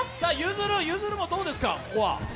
ゆずるもどうですか？